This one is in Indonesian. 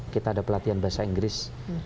kita ada pelatihan bahasa inggris